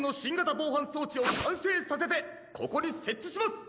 ぼうはんそうちをかんせいさせてここにせっちします！